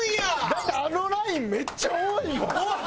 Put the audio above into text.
だってあのラインめっちゃ多いもん！